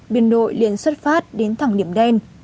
biên đội liên xuất phát đến thẳng điểm đen